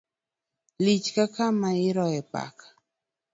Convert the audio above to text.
Lich ka kama iroye paka